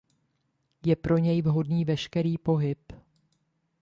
Je pro něj vhodný veškerý pohyb.